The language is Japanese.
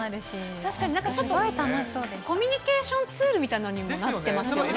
確かにコミュニケーションツールみたいなのにもなってますね。